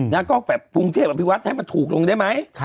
แล้วก็แบบกรุงเทพอภิวัตให้มันถูกลงได้ไหม